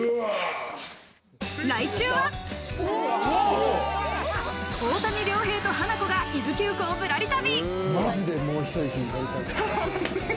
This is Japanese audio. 来週は、大谷亮平とハナコが伊豆急行ぶらり旅。